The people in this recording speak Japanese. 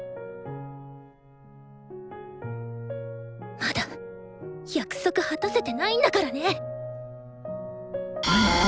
まだ約束果たせてないんだからね！